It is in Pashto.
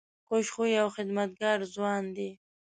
خوش خویه او خدمتګار ځوان دی.